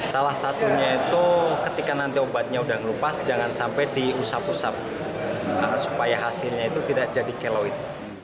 salah satunya itu ketika nanti obatnya sudah ngelupas jangan sampai diusap usap supaya hasilnya itu tidak jadi keloid